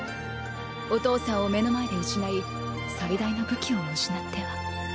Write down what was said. お父さんを目の前で失い最大の武器をも失っては。